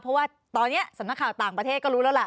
เพราะว่าตอนนี้สำนักข่าวต่างประเทศก็รู้แล้วล่ะ